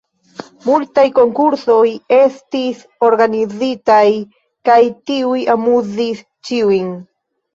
Multaj konkursoj estis organizitaj, kaj tiuj amuzis ĉiujn.